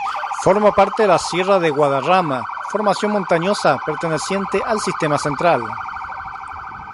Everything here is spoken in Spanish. Forma parte de la sierra de Guadarrama, formación montañosa perteneciente al sistema Central.